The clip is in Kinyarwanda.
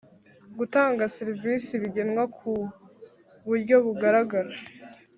Gutanga serivisi bigenwa ku buryo bugaragara